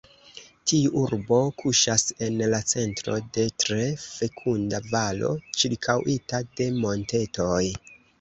Tiu urbo kuŝas en la centro de tre fekunda valo ĉirkaŭita de montetoj.